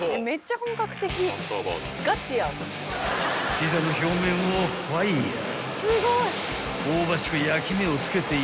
［ピザの表面をファイヤー］